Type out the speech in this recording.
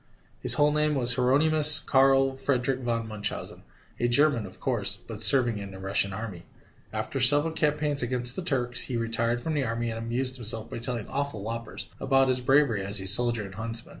His whole name was Hieronymus Karl Friedrich von Munchausen, a German, of course, but serving in the Russian army. After several campaigns against the Turks, he retired from the army and amused himself by telling awful whoppers about his bravery as a soldier and huntsman.